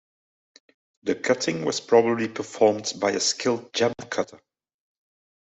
The cutting was probably performed by a skilled gem-cutter.